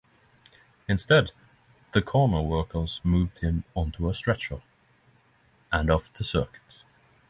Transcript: Instead, the corner workers moved him onto a stretcher and off the circuit.